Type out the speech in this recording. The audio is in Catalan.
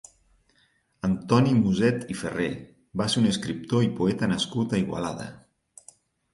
Antoni Muset i Ferrer va ser un escriptor i poeta nascut a Igualada.